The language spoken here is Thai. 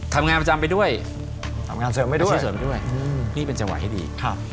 ทำงานเสริมไปด้วยนี่เป็นจังหวะให้ดี